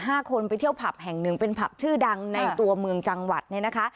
ห้าคนไปเที่ยวผับแห่งหนึ่งเป็นผับชื่อดังในตัวเมืองจังหวัดเนี่ยนะคะ